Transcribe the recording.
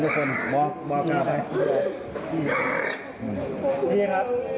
บอกน้องด้วยบอกน้องด้วยครับ